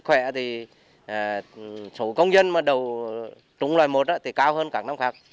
số công dân mà đầu trúng loài một thì cao hơn các năm khác